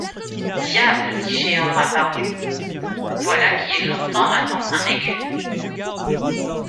Diable! dit Jehan à part lui, voilà qui est longtemps attendre un écu !